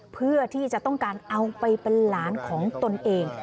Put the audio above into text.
เพื่อที่จะต้องการเอาไปเป็นหลานของตนเอง